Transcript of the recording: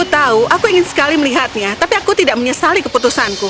di istana apel diperoleh aku tidak akan melihatnya tapi aku tidak menyesali keputusanku